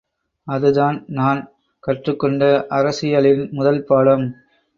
— அதுதான், நான் கற்றுக்கொண்ட அரசியலின் முதல் பாடம்.